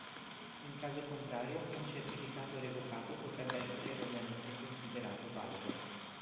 In caso contrario, un certificato revocato potrebbe essere erroneamente considerato valido.